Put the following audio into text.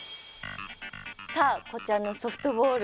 さあこちらのソフトボール。